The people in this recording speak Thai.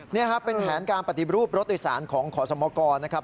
นี่ครับเป็นแผนการปฏิรูปรถโดยสารของขอสมกรนะครับ